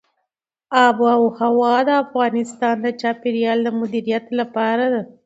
آب وهوا د افغانستان د چاپیریال د مدیریت لپاره ده.